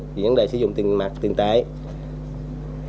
về vấn đề sử dụng tiền mặt tiền tài